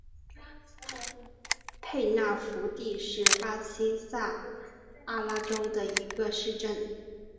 佩纳福蒂是巴西塞阿拉州的一个市镇。